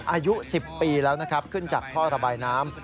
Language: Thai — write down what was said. อายุ๑๐ปีแล้วนะครับขึ้นจากท่อระบายน้ำ